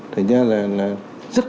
thành ra là rất tốt